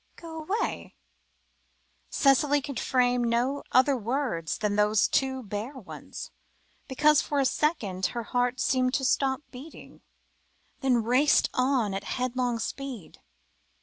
"Go away?" Cicely could frame no other words than those two bare ones, because for a second her heart seemed to stop beating, then raced on again at headlong speed.